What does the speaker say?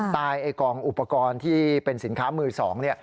ไอ้กองอุปกรณ์ที่เป็นสินค้ามือสอง